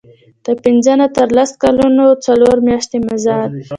د پنځه نه تر لس کلونو څلور میاشتې مزد.